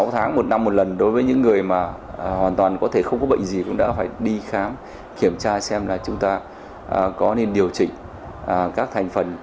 sáu tháng một năm một lần đối với những người mà hoàn toàn có thể không có bệnh gì cũng đã phải đi khám kiểm tra xem là chúng ta có nên điều chỉnh các thành phần